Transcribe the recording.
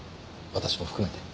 私も含めて。